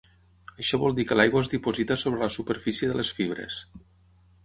Això vol dir que l'aigua es diposita sobre la superfície de les fibres.